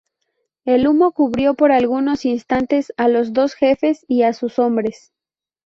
El humo cubrió por algunos instantes a los dos jefes y a sus hombres.